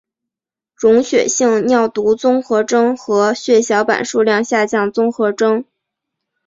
溶血性尿毒综合征和血小板数量下降综合征。